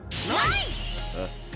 あっ。